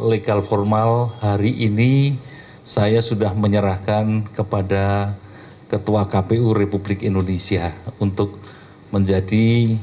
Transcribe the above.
legal formal hari ini saya sudah menyerahkan kepada ketua kpu republik indonesia untuk menjadi